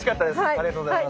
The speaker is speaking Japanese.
ありがとうございます。